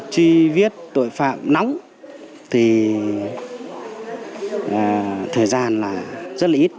truy viết tội phạm nóng thì thời gian là rất là ít